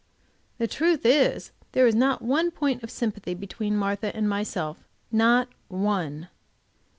The truth is there is not one point of sympathy between Martha and myself, not one.